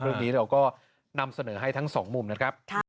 เรื่องนี้เราก็นำเสนอให้ทั้งสองมุมนะครับ